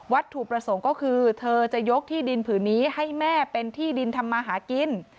ถูกประสงค์ก็คือเธอจะยกที่ดินผืนนี้ให้แม่เป็นที่ดินทำมาหากิน